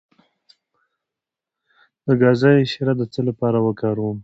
د ګازرې شیره د څه لپاره وکاروم؟